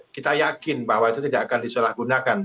kita yakin bahwa itu tidak akan disalahgunakan